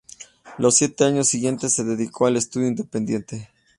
Los siete años siguientes se dedicó al estudio independiente.